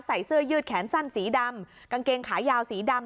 เสื้อยืดแขนสั้นสีดำกางเกงขายาวสีดำ